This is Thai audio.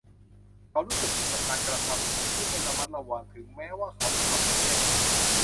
เขารู้สึกผิดกับการกระทำที่ไม่ระมัดระวังถึงแม้ว่าเขาจะทำมันแค่ไหน